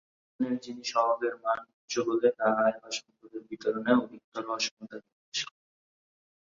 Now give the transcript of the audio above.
অন্যদিকে জিনি সহগের মান উচ্চ হলে তা আয় বা সম্পদের বিতরণে অধিকতর অসমতা নির্দেশ করে।